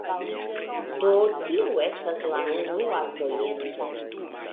Do, tio estas la unua projekto